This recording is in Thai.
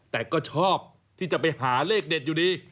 แต่ก็ชอบที่จะไปหาเลขเด็ดอยู่ดี